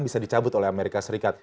bisa dicabut oleh amerika serikat